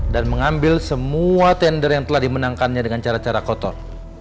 dan mengambil semua tender yang telah dimenangkannya dengan cara cara kotor